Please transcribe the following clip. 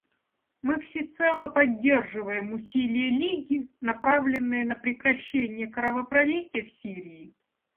Мы всецело поддерживаем усилия Лиги, направленные на прекращение кровопролития в Сирии.